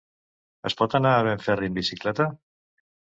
Es pot anar a Benferri amb bicicleta?